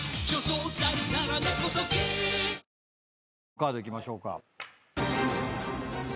カードいきましょうか。